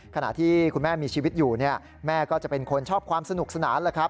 ขณะที่คุณแม่มีชีวิตอยู่เนี่ยแม่ก็จะเป็นคนชอบความสนุกสนานแล้วครับ